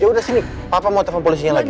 ya udah sini papa mau telepon polisinya lagi